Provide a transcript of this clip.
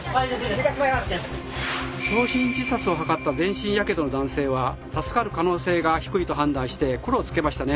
焼身自殺を図った全身火傷の男性は助かる可能性が低いと判断して黒をつけましたね。